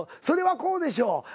それはこうでしょう。